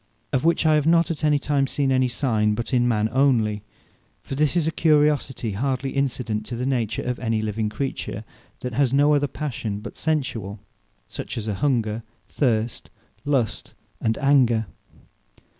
Of which I have not at any time seen any signe, but in man onely; for this is a curiosity hardly incident to the nature of any living creature that has no other Passion but sensuall, such as are hunger, thirst, lust, and anger.